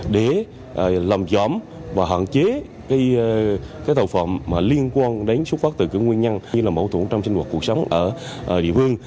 để làm gióm và hạn chế cái tàu phạm liên quan đến xuất phát từ cái nguyên nhân như là mâu thuẫn trong sinh vật cuộc sống ở địa phương